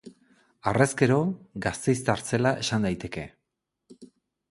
Harrezkero, gasteiztar zela esan daiteke.